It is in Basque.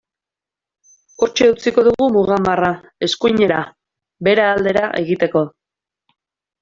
Hortxe utziko dugu muga marra, eskuinera, Bera aldera, egiteko.